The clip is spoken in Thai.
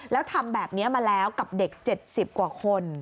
แล้วทำแบบนี้มาแล้วกับเด็ก๗๐กว่าคน